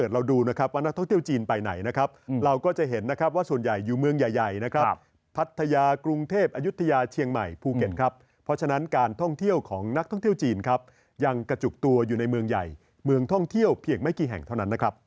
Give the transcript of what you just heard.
อยู่ในเมืองใหญ่เมืองท่องเที่ยวเพียงไม่กี่แห่งเท่านั้นนะครับ